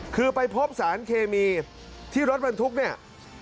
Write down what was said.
คือไปพบสารเคมีที่รถบรรทุกเนี่ย